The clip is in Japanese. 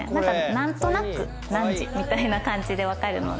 何となく何時みたいな感じで分かるので。